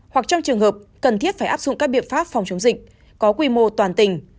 hoặc trong trường hợp cần thiết phải áp dụng các biện pháp phòng chống dịch có quy mô toàn tỉnh